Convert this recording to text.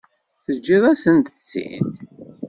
Teǧǧiḍ-asent-tt-id?